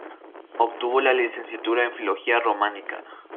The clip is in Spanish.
Obtuvo la licenciatura en Filología Románica.